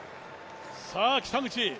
さあ、北口。